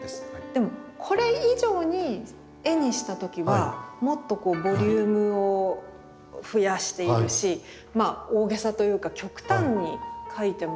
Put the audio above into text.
でもこれ以上に絵にした時はもっとボリュームを増やしているしまあ大げさというか極端に描いてますよね。